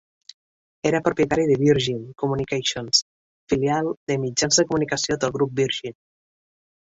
Era propietat de Virgin Communications, filial de mitjans de comunicació del grup Virgin.